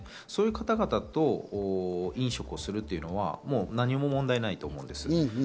そういう方々と飲食をするということは何も問題ないと思うんです。